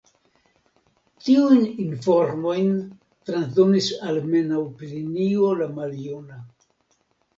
Tiujn informojn transdonis almenaŭ Plinio la Maljuna.